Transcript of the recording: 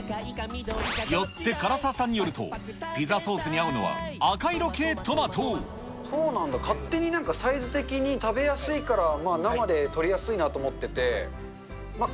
よって唐沢さんによると、ピザソそうなんだ、勝手になんか、サイズ的に食べやすいから生でとりやすいなと思ってて。